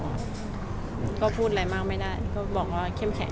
พี่หิมดูดอะไรมากไม่ได้ก็บอกว่าเข้มแขก